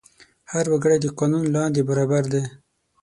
هر وګړی د قانون لاندې برابر دی.